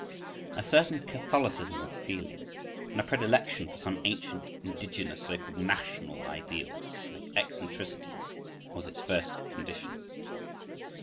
A certain catholicism of feeling, and a predilection for some ancient indigenous (so called national) ideals and eccentricities, was its first condition.